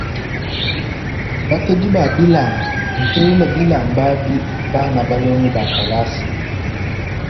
Batedi ba bilamba mutelela bilamba bi bana balongiba kalasa.